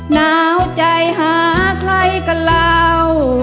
หนาวใจหาใครก็เล่า